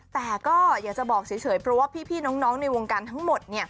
แต่ก็อยากจะบอกเฉยเพราะว่าพี่น้องในวงการทั้งหมด